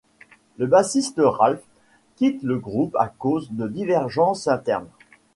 Le bassiste Ralph quitte le groupe à cause de divergences internes.